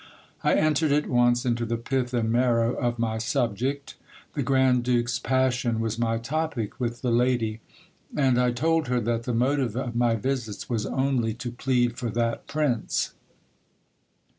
I entered at once into the pith and marrow of my subject. The grand duke's passion was my topic with the lady ; and I told her that the motive of my visits was only to plead for that prince.